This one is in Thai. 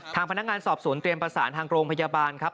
ทางพนักงานสอบสวนเตรียมประสานทางโรงพยาบาลครับ